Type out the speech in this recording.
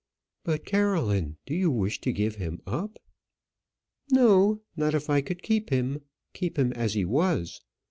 "But, Caroline, do you wish to give him up?" "No, not if I could keep him; keep him as he was.